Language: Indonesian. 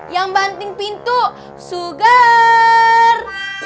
yang banting pintu sugar